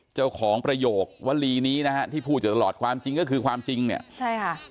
ประโยควรีนี้นะฮะที่พูดอยู่ตลอดความจริงก็คือความจริงเนี่ยใช่ค่ะ